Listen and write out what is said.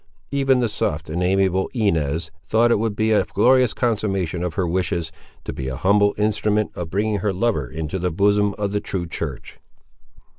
Even the soft and amiable Inez thought it would be a glorious consummation of her wishes, to be a humble instrument of bringing her lover into the bosom of the true church.